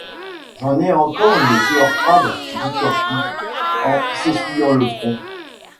J’en ai encore une sueur froide !… dit Corty, en s’essuyant le front.